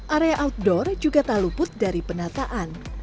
area outdoor juga taluput dari penataan